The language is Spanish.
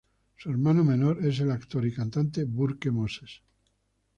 Su hermano menor es el actor y cantante Burke Moses.